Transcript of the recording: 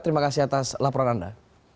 terima kasih atas laporan anda